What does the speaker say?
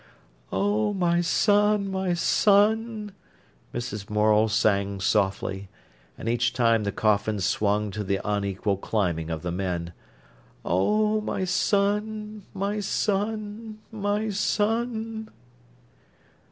"Oh, my son—my son!" Mrs. Morel sang softly, and each time the coffin swung to the unequal climbing of the men: "Oh, my son—my son—my son!"